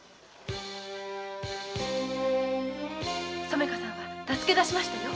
染香さんは助け出しましたよ。